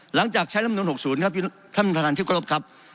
หลังจากช่ายลำดุล๖๐ครับท่านท่านธิกรพครับ